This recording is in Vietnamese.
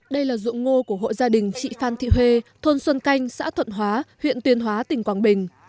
đây là dụng ngô của hội gia đình trị phan thị huê thôn xuân canh xã thuận hóa huyện tuyên hóa tỉnh quảng bình